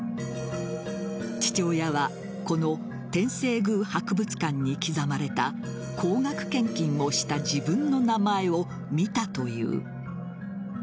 父親はこの天正宮博物館に刻まれた高額献金をした自分の名前を見たという。